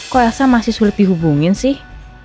kok elsa masih sulit dihubungin sih